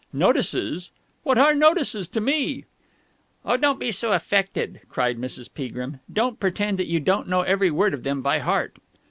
"Notices! What are notices to me?" "Oh, don't be so affected!" cried Mrs. Peagrim. "Don't pretend that you don't know every word of them by heart!"